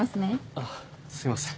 あっすいません。